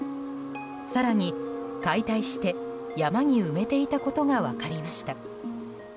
更に、解体して山に埋めていたことが分かりました。